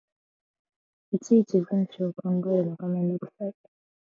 いちいち文章を考えるのがめんどくさい